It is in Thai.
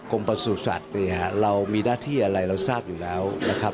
กรมประสูจน์ศัตรูนี้เรามีหน้าที่อะไรเรารู้สักอยู่แล้วนะครับ